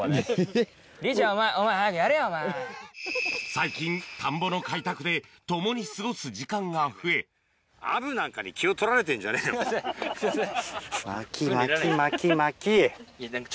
最近田んぼの開拓で共に過ごす時間が増えすいませんすいません。